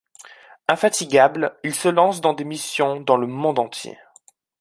Infatigable, il se lance dans des missions dans le monde entier.